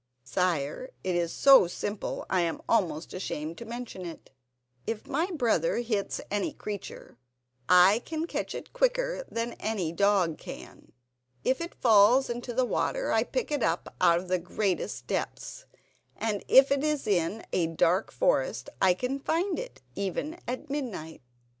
"Sire, it is so simple I am almost ashamed to mention it. If my brother hits any creature I catch it quicker than any dog can. If it falls into the water I pick it up out of the greatest depths, and if it is in a dark forest I can find it even at midnight."